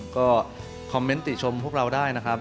ก็คอมเมนต์ติชมพวกเราได้นะครับ